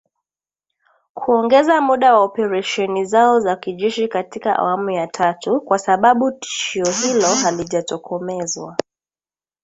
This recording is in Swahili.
kuongeza muda wa operesheni zao za kijeshi katika awamu ya tatu, kwa sababu tishio hilo halijatokomezwa